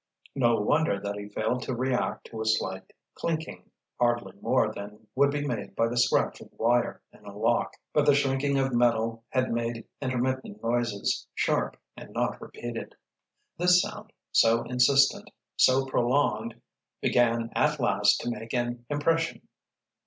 No wonder that he failed to react to a slight clinking, hardly more than would be made by the scratch of wire in a lock. But the shrinking of metal had made intermittent noises, sharp and not repeated. This sound, so insistent, so prolonged, began, at last, to make an impression.